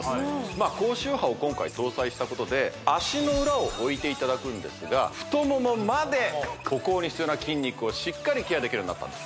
まあ高周波を今回搭載したことで足の裏を置いていただくんですが太ももまで歩行に必要な筋肉をしっかりケアできるようになったんです